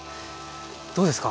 どうですか？